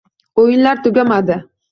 O'yinlar tugamadi